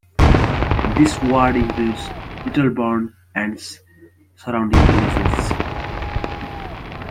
This ward includes Littlebourne andc surrounding villages.